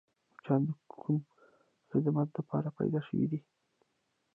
مچان د کوم خدمت دپاره پیدا شوي دي؟